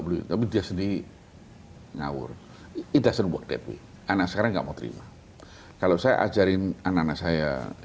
boleh tapi dia sendiri ngawur kita seru dp anak sekarang kamu terima kalau saya ajarin anak saya